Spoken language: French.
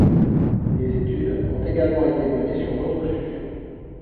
Des études ont été également menées sur d'autres sujets.